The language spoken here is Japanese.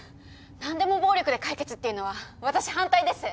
何でも暴力で解決っていうのは私反対です。